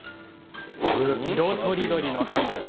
色とりどりのハム。